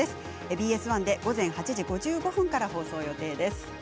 ＢＳ１で午前８時５５分から放送予定です。